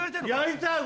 やりたい！